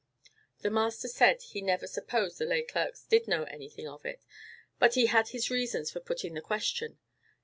The master said he never supposed the lay clerks did know anything of it, but he had his reasons for putting the question.